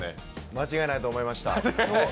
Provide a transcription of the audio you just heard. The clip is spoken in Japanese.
間違いないと思いました。